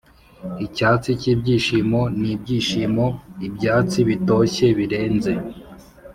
icyatsi cyibyishimo nibyishimo, ibyatsi bitoshye birenze,